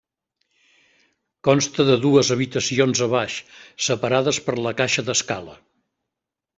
Consta de dues habitacions a baix, separades per la caixa d’escala.